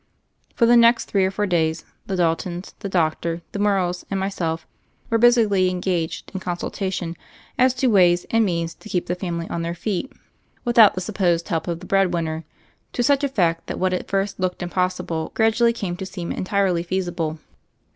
For the next three or four days the Daltons, the Doctor, the Morrows, and myself were busily engaged in consultation as to ways and means to keep the family on their feet, without 1 82 THE FAIRY OF THE SNOWS the supposed help of the bread winner, to such effect that what at first looked impossible grad ually came to seem entirely feasible.